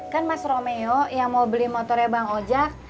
kan mas romeo yang mau beli motornya bang ojek